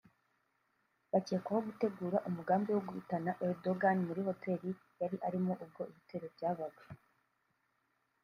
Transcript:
bakekwaho gutegura umugambi wo guhitana Erdogan muri hoteli yari arimo ubwo ibitero byabaga